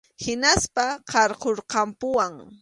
Hinaspas qarqurqampuwan.